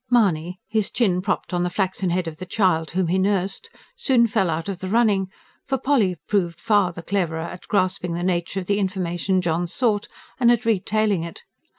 Mahony, his chin propped on the flaxen head of the child, whom he nursed, soon fell out of the running for Polly proved far the cleverer at grasping the nature of the information John sought, and at retailing it.